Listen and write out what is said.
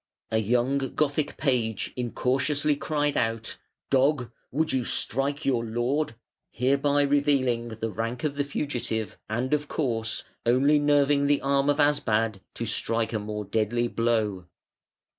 A young Gothic page incautiously cried out, "Dog! would you strike your lord?" hereby revealing the rank of the fugitive and, of course, only nerving the arm of Asbad to strike a more deadly blow.